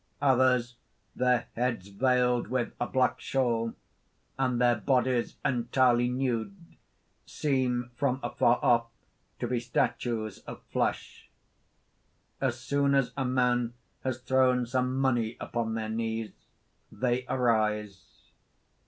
Others, their heads veiled with a black shawl, and their bodies entirely nude, seem from afar off to be statues of flesh. As soon as a man has thrown some money upon their knees, they arise.